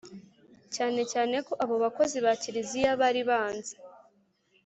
cyane cyane ko abo bakozi ba kiliziya bari banze